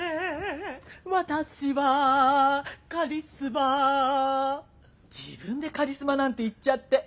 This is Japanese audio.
私はカリスマ自分でカリスマなんて言っちゃって。